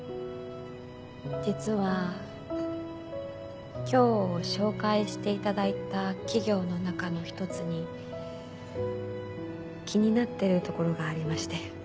実は今日紹介していただいた企業の中の一つに気になってる所がありまして。